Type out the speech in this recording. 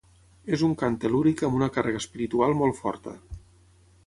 És un cant tel·lúric amb una càrrega espiritual molt forta